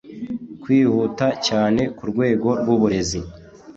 kwihuta cyane kw’urwego rw’uburezi